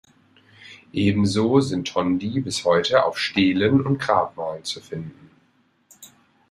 Ebenso sind Tondi bis heute auf Stelen und Grabmalen zu finden.